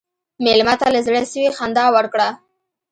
مېلمه ته له زړه سوي خندا ورکړه.